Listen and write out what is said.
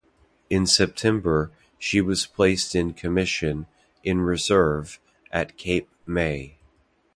In September, she was placed in commission, in reserve, at Cape May.